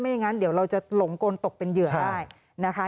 อย่างนั้นเดี๋ยวเราจะหลงกลตกเป็นเหยื่อได้นะคะ